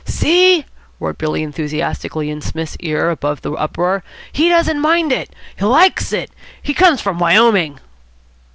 "See!" roared Billy enthusiastically in Psmith's ear, above the uproar. "He doesn't mind it! He likes it! He comes from Wyoming!"